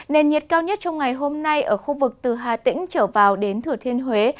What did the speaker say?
nền nhiệt cao nhất trong ngày hôm nay ở khu vực từ hà tĩnh trở vào đến thừa thiên huế